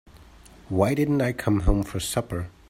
Why didn't I come home for supper?